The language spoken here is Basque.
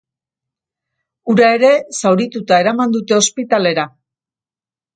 Hura ere zaurituta eraman dute ospitalera.